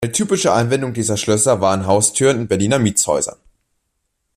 Eine typische Anwendung dieser Schlösser waren Haustüren in Berliner Mietshäusern.